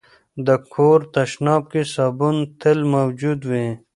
د کور تشناب کې صابون تل موجود وي.